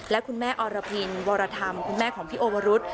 และคุณแม่อรพินวรธรรมคุณแม่ของพี่โอวรุษ